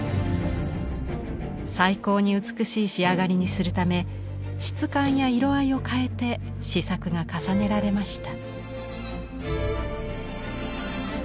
最高に美しい仕上がりにするため質感や色合いを変えて試作が重ねられました。